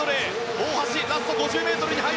大橋、ラスト５０ｍ。